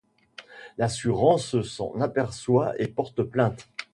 L’assurance s’en aperçoit et porte plainte.